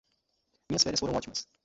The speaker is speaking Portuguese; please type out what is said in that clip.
minhas férias foram ótimas